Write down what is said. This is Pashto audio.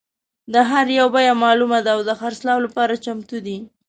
د هر یو بیه معلومه ده او د خرڅلاو لپاره چمتو دي.